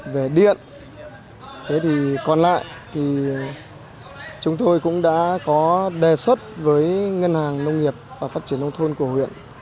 về điện thì còn lại thì chúng tôi cũng đã có đề xuất với ngân hàng nông nghiệp và phát triển nông thôn của huyện